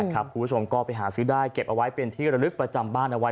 คุณผู้ชมก็ไปหาซื้อได้เก็บเอาไว้เป็นที่ระลึกประจำบ้านเอาไว้